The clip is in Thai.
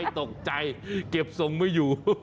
ตกใจเก็บทรงไม่อยู่